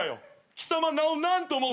貴様名を何と申す？